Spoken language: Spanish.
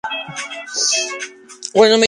Finalmente la pareja terminó separándose.